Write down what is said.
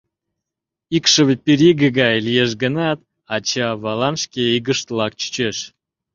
Икшыве пириге гай лиеш гынат, ача-авалан шке игыштлак чучеш...